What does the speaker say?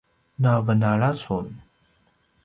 na venala sun